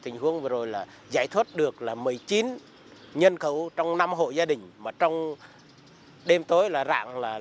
tình huống vừa rồi là giải thoát được là một mươi chín nhân khẩu trong năm hộ gia đình mà trong đêm tối là rạng là